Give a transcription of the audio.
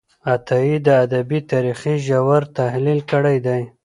عطايي د ادبي تاریخ ژور تحلیل کړی دی.